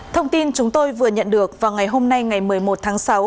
thông tin chúng tôi vừa nhận được vào ngày hôm nay ngày một mươi một tháng sáu